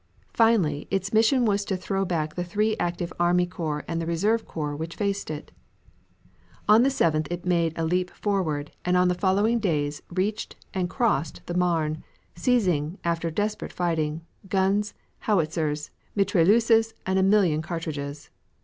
Finally, its mission was to throw back the three active army corps and the reserve corps which faced it. On the 7th, it made a leap forward, and on the following days reached and crossed the Marne, seizing, after desperate fighting, guns, howitzers, mitrailleuses, and a million cartridges.